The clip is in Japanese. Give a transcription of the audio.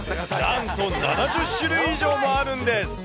なんと７０種類以上もあるんです。